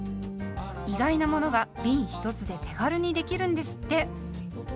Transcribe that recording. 意外なものがびん１つで手軽にできるんですって。